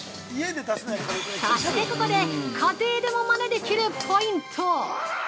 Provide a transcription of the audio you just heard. そして、ここで家庭でもまねできるポイント。